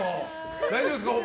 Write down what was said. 大丈夫ですか？